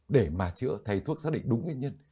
để mà chữa thầy thuốc xác định đúng nguyên nhân